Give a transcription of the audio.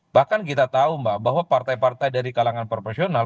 bahkan kita tahu mbak bahwa partai partai dari kalangan profesional